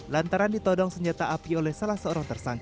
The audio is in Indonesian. lantaran ditodong senjata api oleh salah seorang tersangka